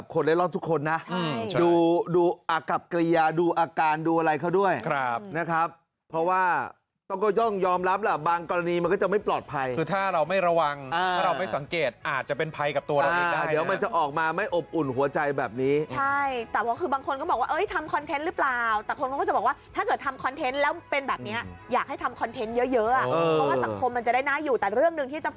เกลียดูอาการดูอะไรเข้าด้วยนะครับเพราะว่าต้องยอมรับแหละบางกรณีมันก็จะไม่ปลอดภัยคือถ้าเราไม่ระวังถ้าเราไม่สังเกตอาจจะเป็นภัยกับตัวเราอีกได้นะครับเดี๋ยวมันจะออกมาไม่อบอุ่นหัวใจแบบนี้ใช่แต่ว่าคือบางคนก็บอกว่าเอ้ยทำคอนเทนต์หรือเปล่าแต่คนก็จะบอกว่าถ้าเกิดทำคอนเทนต์แล้วเป็นแบ